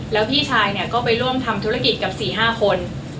แล้วพี่ชายเนี่ยก็ไปร่วมทำธุรกิจกับ๔๕คน